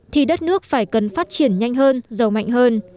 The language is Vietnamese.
thì đất nước phải cần phát triển nhanh hơn giàu mạnh hơn